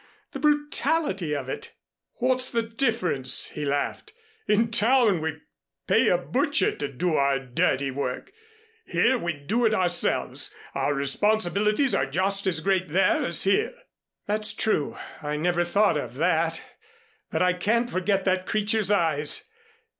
The brutality of it!" "What's the difference?" he laughed. "In town we pay a butcher to do our dirty work here we do it ourselves. Our responsibilities are just as great there as here." "That's true I never thought of that, but I can't forget that creature's eyes."